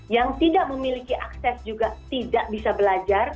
yang tidak memiliki akses juga tidak bisa belajar